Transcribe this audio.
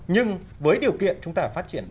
nhưng với điều kiện chúng ta phát triển